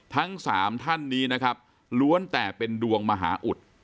ทั้ง๓ท่านล้วนแต่เป็นดวงมหาอุด